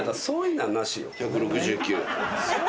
１６９。